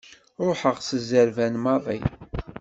Ruḥeɣ s zzerban maḍi.